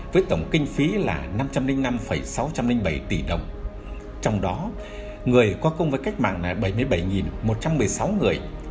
với tổng kinh phí là năm trăm linh năm sáu trăm linh bảy tỷ đồng trong đó người qua công với cách mạng là bảy mươi bảy một trăm một mươi sáu người